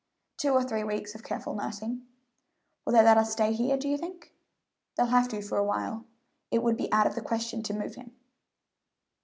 "Two or three weeks of careful nursing." "Will they let us stay here, do you think?" "They'll have to for a while. It would be out of the question to move him."